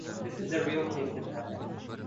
Bulutlar siljib kelardi.